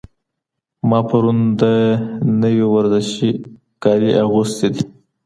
ما پرون د نوي ورزشي کالي اخیستي دي.